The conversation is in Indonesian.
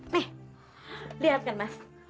nih lihat kan mas